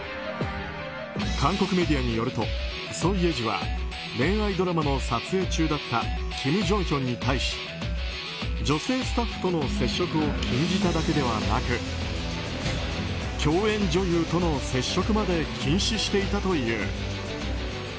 韓国メディアによるとソ・イェジは恋愛ドラマの撮影中だったキム・ジョンヒョンに対し女性スタッフとの接触を禁じただけではなく共演女優との接触まで禁止していたという。